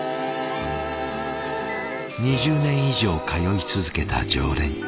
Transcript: ２０年以上通い続けた常連。